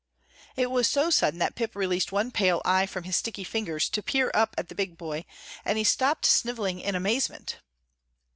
It was so sudden that Pip released one pale eye from his sticky fingers to peer up at the big boy, and he stopped snivelling in amazement.